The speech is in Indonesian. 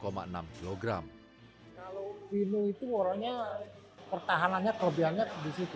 kalau pino itu warnanya pertahanannya kelebihannya di situ